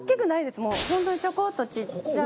もう本当にちょこっとちっちゃい。